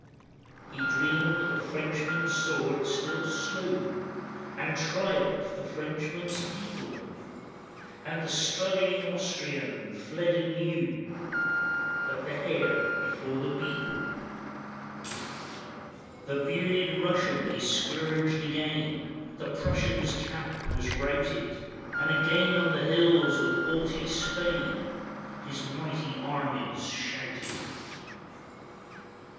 He dreamed that the Frenchman's sword still slew, And triumphed the Frenchman's "Eagle"; And the struggling Austrian fled anew, Like the hare before the beagle. 386 THE DEATH OF NAPOLEON The bearded Russian he scourged again, The Prussian's camp was routed, And again on the hills of haughty Spain His mighty armies shouted.